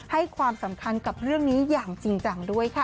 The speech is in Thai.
ให้ความสำคัญกับเรื่องนี้อย่างจริงจังด้วยค่ะ